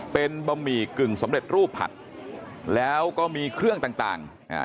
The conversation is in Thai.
เป็นบะหมี่กึ่งสำเร็จรูปผัดแล้วก็มีเครื่องต่างต่างอ่า